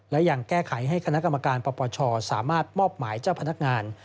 และยังแก้ไขให้คณะกรรมการปปชสามารถมอบหมายเจ้าพนักงาน